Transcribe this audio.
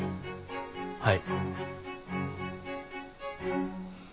はい。